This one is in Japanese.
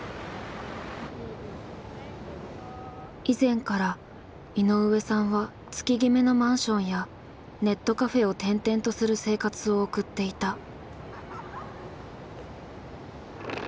以前から井上さんは月ぎめのマンションやネットカフェを転々とする生活を送っていた。